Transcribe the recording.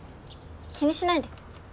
気にしないで。